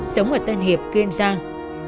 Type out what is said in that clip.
sống ở tên hiệp kiên giang